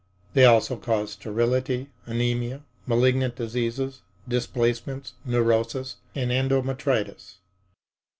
They also cause sterility, anemia, malignant diseases, displacements, neurosis, and endometritis."